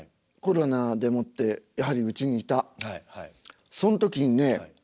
コロナでもってやはりうちにいたその時にね